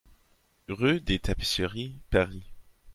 RUE DES TAPISSERIES, Paris